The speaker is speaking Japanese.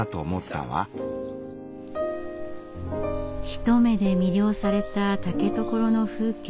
一目で魅了された竹所の風景。